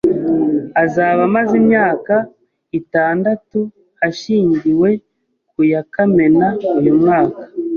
Azaba amaze imyaka itandatu ashyingiwe ku ya Kamena uyu mwaka.